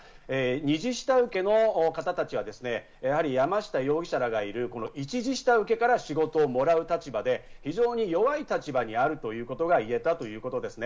二次下請けの方たちは山下容疑者らがいる一次下請けから仕事をもらう立場で非常に弱い立場にあるということが言えたということですね。